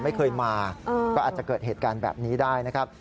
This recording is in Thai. ไม่เคยมาก็อาจจะเกิดเหตุการณ์แบบนี้ได้นะครับ